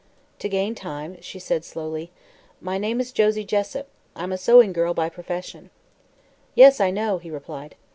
To gain time she said, slowly: "My name is Josie Jessup. I'm a sewing girl by profession." "Yes, I know," he replied.